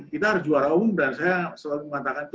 kita harus juara umum dan saya selalu mengatakan itu